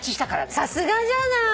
さすがじゃない。